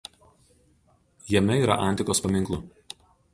Jame yra antikos paminklų.